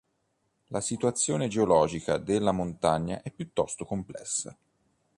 La situazione geologica della montagna è piuttosto complessa.